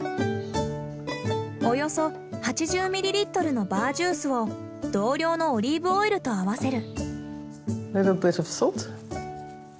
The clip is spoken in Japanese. およそ８０ミリリットルのバージュースを同量のオリーブオイルと合わせる。